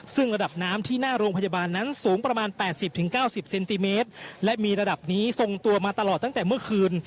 ซึ่งระดับน้ำที่หน้าโรงพยาบาลนั้นสูงประมาณ๘๐๙๐เซนติเมตรและมีระดับนี้ทรงตัวมาตลอดตั้งแต่เมื่อคืน